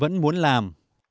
vẫn muốn làm